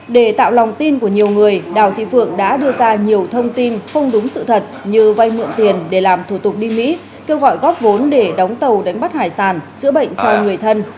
để tạo lòng tin của nhiều người đào thị phượng đã đưa ra nhiều thông tin không đúng sự thật như vay mượn tiền để làm thủ tục đi mỹ kêu gọi góp vốn để đóng tàu đánh bắt hải sản chữa bệnh cho người thân